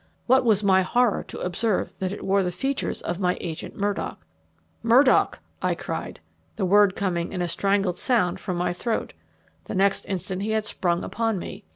What was my horror to observe that it wore the features of my agent Murdock. "'Murdock!' I cried, the word coming in a strangled sound from my throat. The next instant he had sprung upon me.